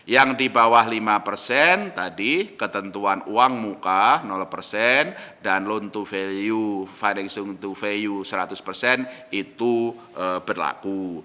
yang di bawah lima persen tadi ketentuan uang muka persen dan loan to value financing to value seratus persen itu berlaku